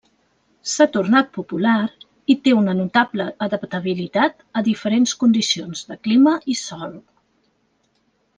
S'ha tornat popular i té una notable adaptabilitat a diferents condicions de clima i sòl.